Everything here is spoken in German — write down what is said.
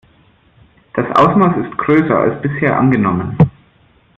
Das Ausmaß ist größer als bisher angenommen.